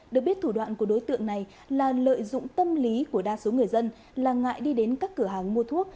được biết thủ đoạn của đối tượng này là lợi dụng tâm lý của đa số người dân là ngại đi đến các cửa hàng mua thuốc